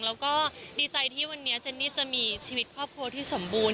แล้วก็ดีใจที่วันนี้เจนนี่จะมีชีวิตครอบครัวที่สมบูรณ